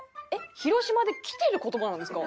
広島できてる言葉なんですか？